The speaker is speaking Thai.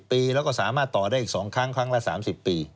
ปีแล้วก็สามารถต่อได้อีก๒ครั้งครั้งละ๓๐ปี